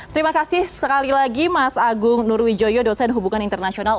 terima kasih sekali lagi mas agung nurwijoyo dosen hubungan internasional